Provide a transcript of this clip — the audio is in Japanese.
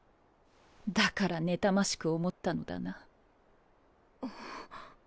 だから妬ましく思ったのだな。